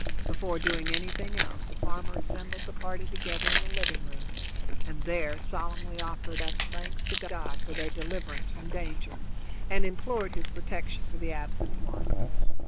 Before doing anything else the farmer assembled the party together in the living room, and there solemnly offered up thanks to God for their deliverance from danger, and implored his protection for the absent ones.